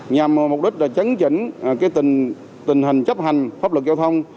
nhằm mục đích là chấn chỉnh tình hình chấp hành pháp luật giao thông